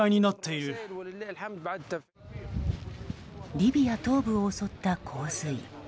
リビア東部を襲った洪水。